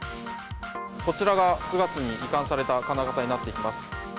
こちらが９月に移管された金型になってきます。